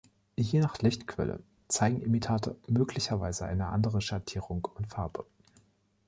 Je nach Lichtquelle zeigen Imitate möglicherweise eine andere Schattierung und Farbe.